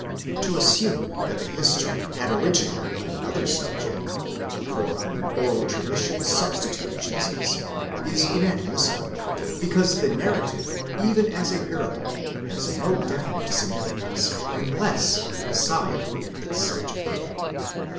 Tq assume that the history had originally another subject, for whom oral tradition substi tuted Jesus, is inadmissible, because the narrative, even as a parable, has no definite significance unless the Messiah be its subject.